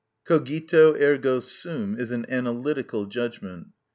Cogito, ergo sum, is an analytical judgment.